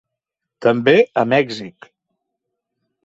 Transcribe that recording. També a Mèxic.